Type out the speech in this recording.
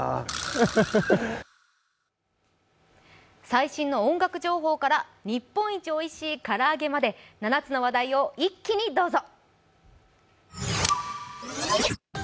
最新の音楽情報から、日本一おいしい唐揚げまで、７つの話題を一気にどうぞ。